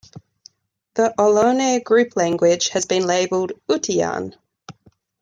The "Ohlone" group language has been labeled Utian.